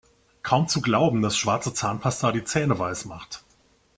Kaum zu glauben, dass schwarze Zahnpasta die Zähne weiß macht!